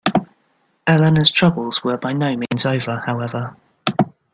Eleanor's troubles were by no means over, however.